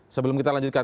sebelum kita lanjutkan